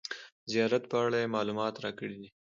زیارت په اړه یې معلومات راکړي دي.